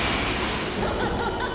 ハハハハ！